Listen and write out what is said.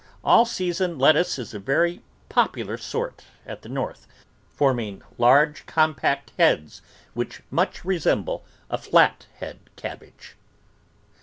All Season lettuce is a very popular sort at the North, forming large compact heads which much resemble a flat head cabbage.